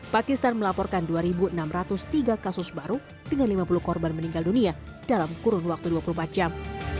pakistan melaporkan dua enam ratus tiga kasus baru dengan lima puluh korban meninggal dunia dalam kurun waktu dua puluh empat jam